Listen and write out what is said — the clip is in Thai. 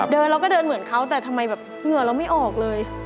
เราก็เดินเหมือนเขาแต่ทำไมแบบเหงื่อเราไม่ออกเลย